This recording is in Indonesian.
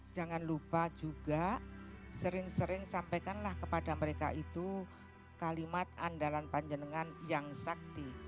jangan lupa juga sering sering sampaikanlah kepada mereka itu kalimat andalan panjenengan yang sakti